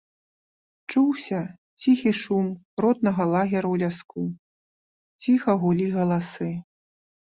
Чуўся ціхі шум ротнага лагера ў ляску, ціха гулі галасы.